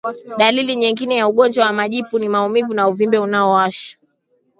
Dalili nyingine ya ugonjwa wa majipu ni Maumivu na uvimbe unaowasha